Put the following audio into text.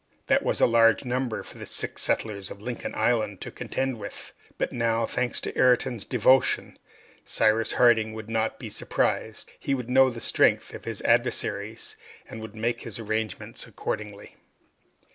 That was a large number for the six settlers of Lincoln Island to contend with! But now, thanks to Ayrton's devotion, Cyrus Harding would not be surprised, he would know the strength of his adversaries, and would make his arrangements accordingly.